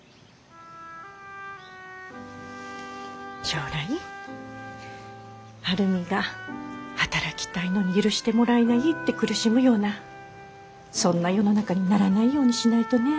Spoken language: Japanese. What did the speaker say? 将来晴海が働きたいのに許してもらえないって苦しむようなそんな世の中にならないようにしないとね。